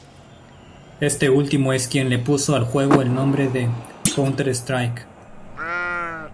Este último es quien le puso al juego el nombre de "Counter-Strike".